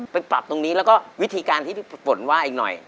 ไปปรับตรงนี้แล้วก็วิธีการที่พี่ฝนว่าอีกหน่อย